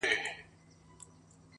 چي قاتل په غره کي ونیسي له غاره!